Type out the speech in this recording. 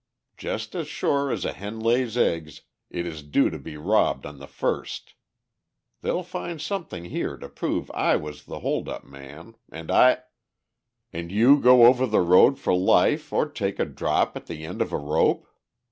Just as sure as a hen lays eggs, it is due to be robbed on the first; they'll find something here to prove I was the hold up man, and I...." "And you go over the road for life or take a drop at the end of a rope?